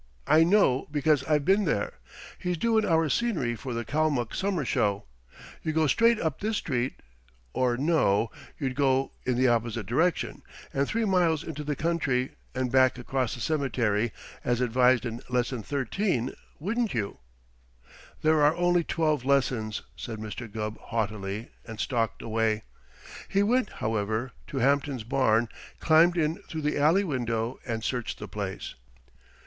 I know, because I've been there. He's doing our scenery for the Kalmuck summer show. You go straight up this street or no, you'd go in the opposite direction, and three miles into the country, and back across the cemetery, as advised in Lesson Thirteen, wouldn't you?" "There are only twelve lessons," said Mr. Gubb haughtily and stalked away. He went, however, to Hampton's barn, climbed in through the alley window, and searched the place.